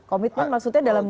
komitmen maksudnya dalam